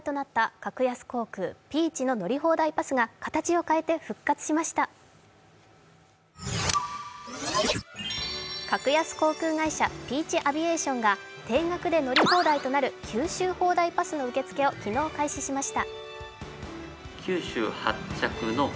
格安航空会社、ピーチ・アビエーションが定額で乗り放題となる九州ホーダイパスの受付を昨日開始しました。